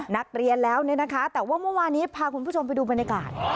นักเรียนแล้วเนี่ยนะคะแต่ว่าเมื่อวานี้พาคุณผู้ชมไปดูบรรยากาศ